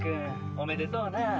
おめでとうな。